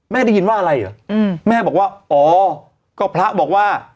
ได้ยินว่าอะไรเหรออืมแม่บอกว่าอ๋อก็พระบอกว่า